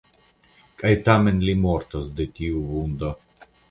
Kaj tamen li mortos de tiu vundo.